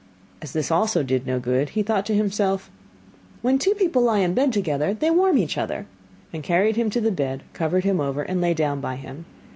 As this also did no good, he thought to himself: 'When two people lie in bed together, they warm each other,' and carried him to the bed, covered him over and lay down by him.